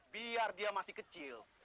biar dia masih kecil